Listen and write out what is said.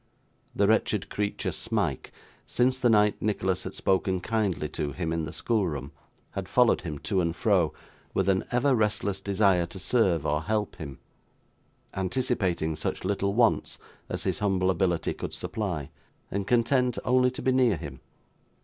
The wretched creature, Smike, since the night Nicholas had spoken kindly to him in the schoolroom, had followed him to and fro, with an ever restless desire to serve or help him; anticipating such little wants as his humble ability could supply, and content only to be near him.